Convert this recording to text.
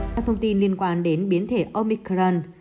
các thông tin liên quan đến biến thể omicron